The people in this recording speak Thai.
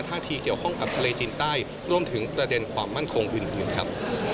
ท่าทีเกี่ยวข้องกับทะเลจีนใต้รวมถึงประเด็นความมั่นคงอื่นครับ